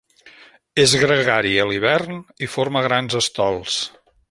És gregari a l'hivern i forma grans estols.